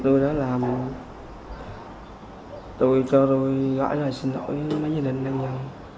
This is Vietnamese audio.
tôi gặp hãng nguyễn hiệp tôi đó là tôi cho tôi gọi lời xin lỗi với mấy gia đình đang gặp